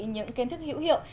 những kiến thức hữu hiệu